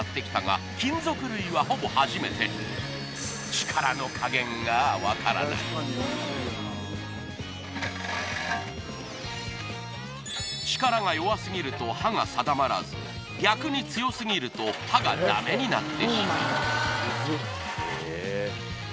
使うのはこれまで力が弱すぎると刃が定まらず逆に強すぎると刃がダメになってしまう